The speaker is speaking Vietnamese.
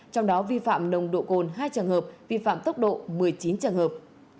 trong đó vi phạm nồng độ cồn hai trường hợp vi phạm tốc độ một mươi chín trường hợp